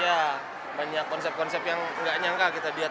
ya banyak konsep konsep yang nggak nyangka kita lihat